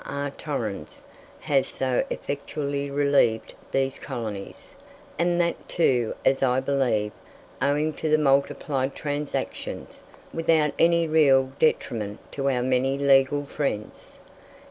R. Torrens has so effectually relieved these colonies; and that, too, as I believe, owing to the multiplied transactions, without any real detriment to our many legal friends.